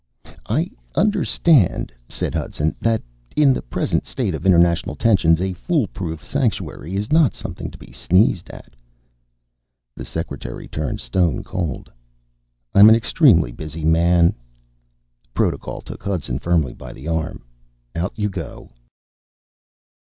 "I understand," said Hudson, "that in the present state of international tensions, a foolproof sanctuary is not something to be sneezed at." The secretary turned stone cold. "I'm an extremely busy man." Protocol took Hudson firmly by the arm. "Out you go."